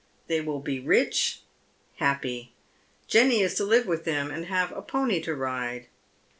They will be rich, happy. Jenny is to live with them, and have a pony to ride.